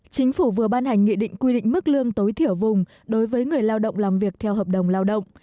chính phủ vừa ban hành nghị định quy định mức lương tối thiểu vùng đối với người lao động làm việc theo hợp đồng lao động